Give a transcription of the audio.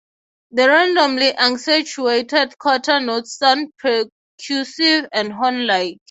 The randomly accentuated quarter notes sound percussive and horn-like.